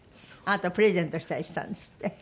あなたプレゼントしたりしたんですって？